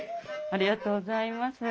ありがとうございます。